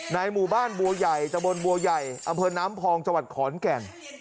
ในหมู่บ้านบัวใหญ่จบลบัวใหญ่อำเภนน้ำพองจัวรรค์ขอร์นแก่น